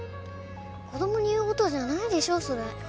子供に言う事じゃないでしょそれ。